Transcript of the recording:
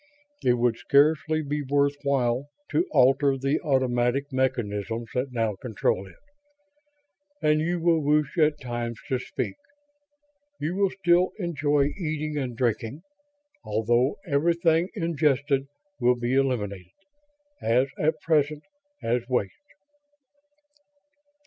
It would scarcely be worth while to alter the automatic mechanisms that now control it. And you will wish at times to speak. You will still enjoy eating and drinking, although everything ingested will be eliminated, as at present, as waste."